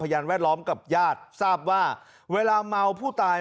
แวดล้อมกับญาติทราบว่าเวลาเมาผู้ตาย